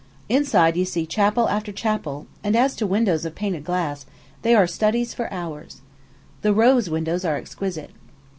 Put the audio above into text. Inside you see chapel after chapel; and as to windows of painted glass, they are studies for hours. The rose windows are exquisite.